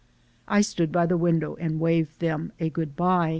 I stood by the window and waved them a good by.